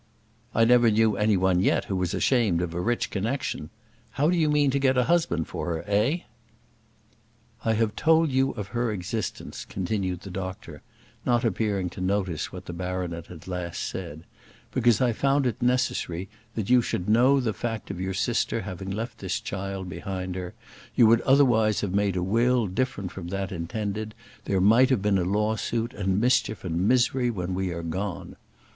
"I never knew any one yet who was ashamed of a rich connexion. How do you mean to get a husband for her, eh?" "I have told you of her existence," continued the doctor, not appearing to notice what the baronet had last said, "because I found it necessary that you should know the fact of your sister having left this child behind her; you would otherwise have made a will different from that intended, and there might have been a lawsuit, and mischief and misery when we are gone.